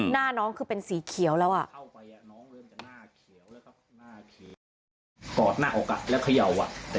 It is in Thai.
หน้าน้องคือเป็นสีเขียวแล้วอ่ะ